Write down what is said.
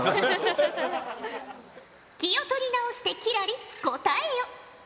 気を取り直して輝星答えよ。